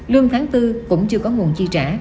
lương tháng bốn cũng chưa có nguồn chi trả